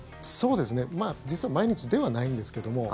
まあ、実は毎日ではないんですけども。